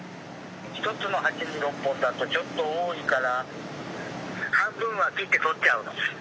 ひとつのはちに６本だとちょっとおおいからはんぶんは切ってとっちゃうの。